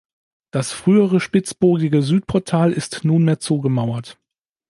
Das frühere spitzbogige Südportal ist nunmehr zugemauert.